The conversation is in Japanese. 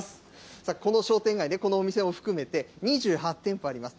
さあ、この商店街、このお店を含めて、２８店舗あります。